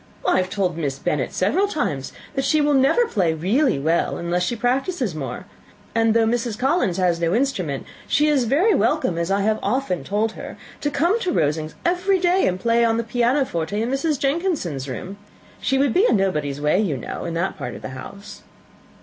I have told Miss Bennet several times, that she will never play really well, unless she practises more; and though Mrs. Collins has no instrument, she is very welcome, as I have often told her, to come to Rosings every day, and play on the pianoforte in Mrs. Jenkinson's room. She would be in nobody's way, you know, in that part of the house."